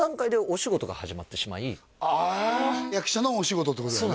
うんで役者のお仕事ってことだよね？